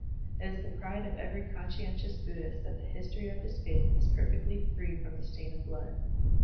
It is the pride of every conscientious Buddhist that the history of his faith is perfectly free from the stain of blood.